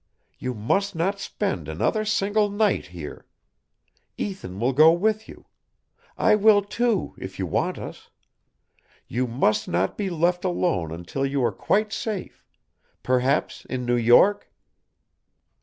You must not spend another single night here. Ethan will go with you. I will, too, if you want us. You must not be left alone until you are quite safe; perhaps in New York?"